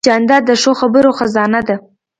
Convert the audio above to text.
جانداد د ښو خبرو خزانه ده.